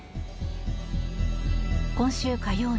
今週火曜日